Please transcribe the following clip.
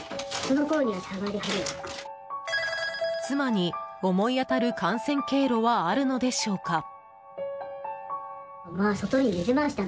妻に、思い当たる感染経路はあるのでしょうか？